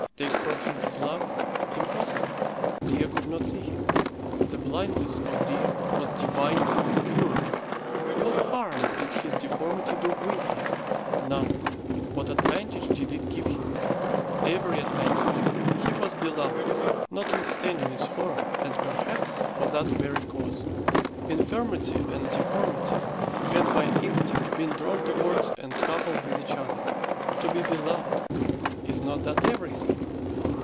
Take from him his love. Impossible. Dea could not see him. The blindness of Dea was divinely incurable. What harm did his deformity do Gwynplaine? None. What advantage did it give him? Every advantage. He was beloved, notwithstanding its horror, and perhaps for that very cause. Infirmity and deformity had by instinct been drawn towards and coupled with each other. To be beloved, is not that everything?